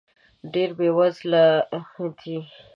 ډېر بې وزله دی .